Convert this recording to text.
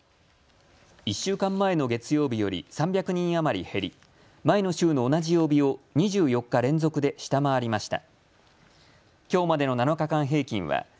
１週間前の月曜日より３００人余り減り前の週の同じ曜日を２４日連続で下回りました。